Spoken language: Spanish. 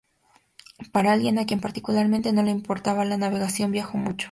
Para alguien a quien particularmente no le importaba la navegación viajó mucho.